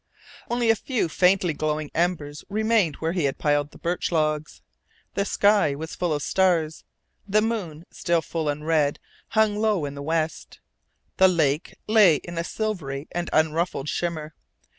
Only a few faintly glowing embers remained where he had piled the birch logs. The sky was full of stars. The moon, still full and red, hung low in the west. The lake lay in a silvery and unruffled shimmer.